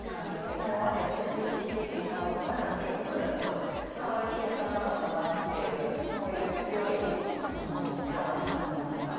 これまで少しずつ築いてきたものが結構ぐるっと変わる瞬間なのかなっていうそういう強い力も感じました。